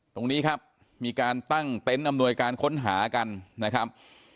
ตรงนี้ครับมีการตั้งเต็นต์อำนวยการค้นหากันนะครับ